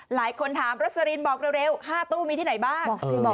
หลายคนถามรสลินบอกเร็ว๕ตู้มีที่ไหนบ้าง